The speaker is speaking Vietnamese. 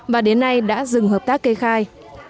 và đến nay đã dừng hợp tác cây khai